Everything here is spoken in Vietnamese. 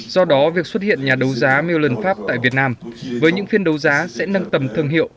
do đó việc xuất hiện nhà đầu giám milan pháp tại việt nam với những phiên đấu giá sẽ nâng tầm thương hiệu